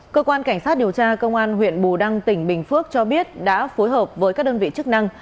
cơ quan cảnh sát điều tra công an huyện bù đăng tỉnh bình phước cho biết đã phối hợp với các đơn vị chức năng